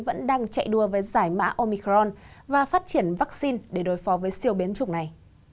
vẫn đang chạy đua với giải mã omicron và phát triển vaccine để đối phó với siêu biến chủng này